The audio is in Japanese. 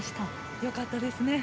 よかったですね。